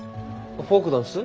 フォークダンス？